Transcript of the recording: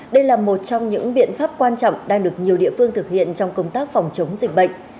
đây là một trong những biện pháp quan trọng đang được nhiều địa phương thực hiện trong công tác phòng chống dịch bệnh